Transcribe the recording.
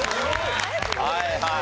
はいはい。